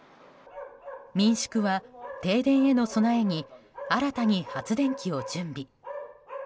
民宿は、停電への備えに新たに発電機を準備。